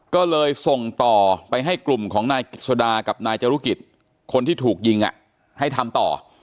ก็เลยส่งต่อไปให้กลุ่มของนายกิจสดากับนายจรุกิจคนที่ถูกยิงให้ทำต่อ